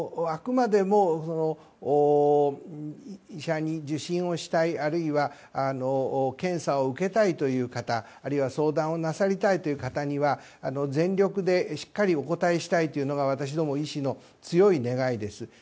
あくまでも医者に受診をしたいあるいは検査を受けたいという方あるいは相談をなさりたいという方には全力でしっかりお応えしたいというのが私ども医師の強い願いです。